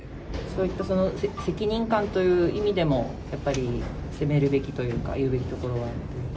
そういった責任感という意味でも、やっぱり責めるべきというか、言うべきところは。